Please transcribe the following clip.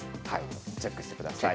チェックしてください。